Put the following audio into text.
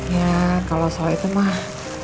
ya kalau soal itu mah